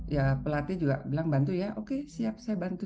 ya pelatih juga bilang bantu ya oke siap saya bantu